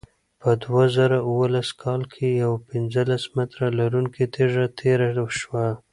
په دوه زره اوولس کال کې یوه پنځلس متره لرونکې تیږه تېره شوه.